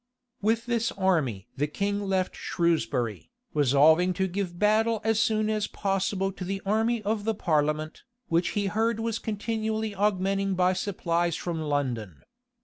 With this army the king left Shrewsbury, resolving to give battle as soon as possible to the army of the parliament, which he heard was continually augmenting by supplies from London.